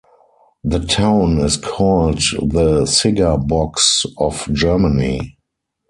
The town is called the "Cigar Box of Germany".